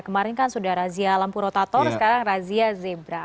kemarin kan sudah razia lampu rotator sekarang razia zebra